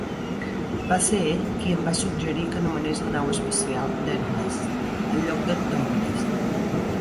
Va ser ell qui em va suggerir que anomenés la nau espacial "Dentless" en lloc de "Dauntless".